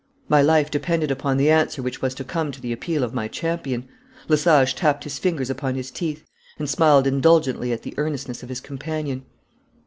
My life depended upon the answer which was to come to the appeal of my champion. Lesage tapped his fingers upon his teeth, and smiled indulgently at the earnestness of his companion.